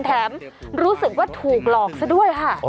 แถมรู้สึกว่าถูกหลอกซะด้วยค่ะ